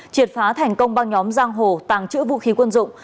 triệt phá thành công băng nhóm giang hồ tàng trữ vũ khí quân dụng